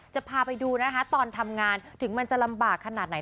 จะพาไปดูนะคะตอนทำงานถึงมันจะลำบากขนาดไหน